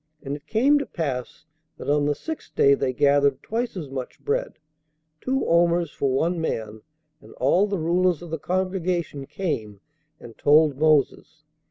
And it came to pass, that on the sixth day they gathered twice as much bread, two omers for one man; and all the rulers of the congregation came and told Moses.